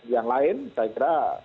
yang lain saya kira